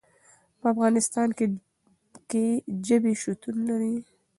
په افغانستان کې ژبې شتون لري.